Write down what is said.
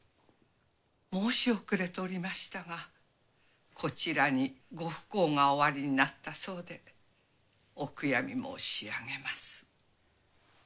申し遅れておりましたがこちらにご不幸がおありになったそうでお悔やみ申し上げます。